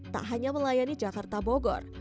tak hanya melayani jakarta bogor